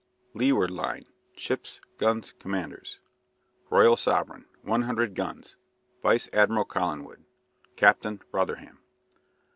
LEEWARD LINE. Ships. Guns. Commanders. Royal Sovereign 100 {Vice Admiral Collingwood. {Captain Rotherham.